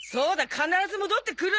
必ず戻ってくる！